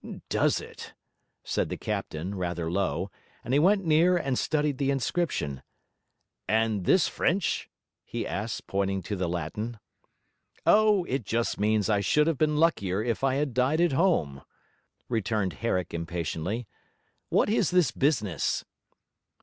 'Does it?' said the captain, rather low; and he went near and studied the inscription; 'and this French?' he asked, pointing to the Latin. 'O, it just means I should have been luckier if I had died at horne,' returned Herrick impatiently. 'What is this business?'